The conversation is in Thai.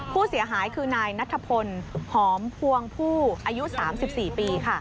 ผู้เสียหายคือนายนัทพลหอมพวงผู้อายุ๓๔ปี